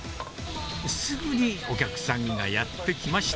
すぐにお客さんがやって来ました。